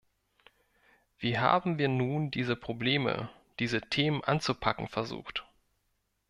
Wie haben wir nun diese Probleme, diese Themen anzupacken versucht?